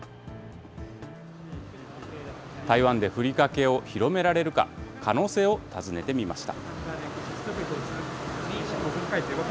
台湾でふりかけを広められるか、可能性を訪ねてみました。